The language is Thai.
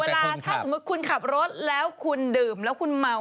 ถ้าสมมุติคุณขับรถแล้วคุณดื่มแล้วคุณเมา